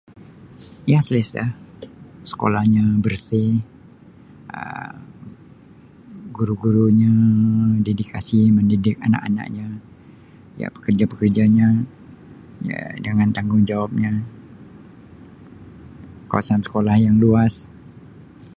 Ya selesa, sekolahnya bersih Um guru-gurunya dedikasi didik anak-anaknya, ya pekerja-pekerjanya, ya dengan tanggungjawabnya, kawasan sekolah yang luas.